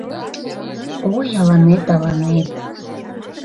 Ой, аланет, аланет